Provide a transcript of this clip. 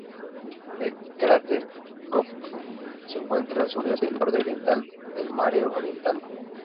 El cráter Kopff se encuentra al suroeste, en el borde oriental del Mare Orientale.